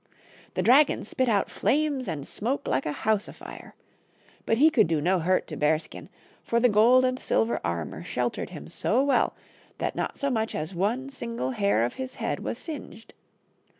The dragon spit out flames and smoke like a house afire. But he could do no hurt to Bearskin, for the gold and silver armor sheltered him so well that not so much as one single hair of his head was singed.